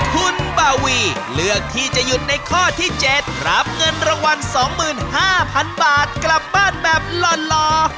คุณบาวีเลือกที่จะหยุดในข้อที่๗รับเงินรางวัล๒๕๐๐๐บาทกลับบ้านแบบหล่อ